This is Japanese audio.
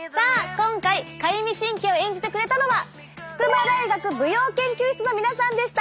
今回かゆみ神経を演じてくれたのは筑波大学舞踊研究室のみなさんでした！